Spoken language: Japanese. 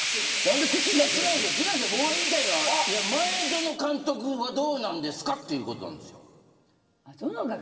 違うんですよ、僕が言いたいのは前園監督はどうなんですかということですよ。